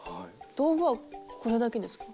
道具はこれだけですか？